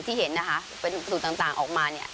ที่เห็นนะคะเป็นสูตรต่างออกมาเนี่ย